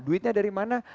duitnya dari mana